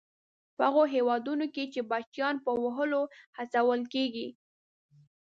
په هغو هېوادونو کې چې بچیان په وهلو هڅول کیږي.